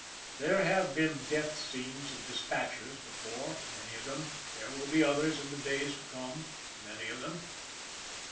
There have been death scenes of dispatchers before, many of them there will be others in the days to come, many of them.